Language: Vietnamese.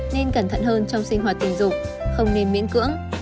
nên cẩn thận hơn trong sinh hoạt tình dục không nên miễn cưỡng